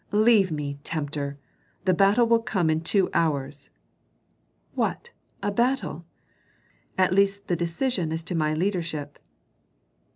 "Leave me, tempter! The battle will come in two hours." "What! a battle?" "At least the decision as to my leadership."